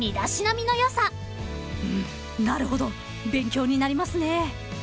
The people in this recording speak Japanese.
［うんなるほど勉強になりますね］